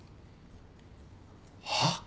はっ！？